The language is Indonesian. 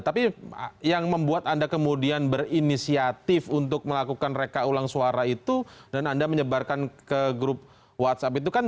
tapi yang membuat anda kemudian berinisiatif untuk melakukan reka ulang suara itu dan anda menyebarkan ke grup whatsapp itu kan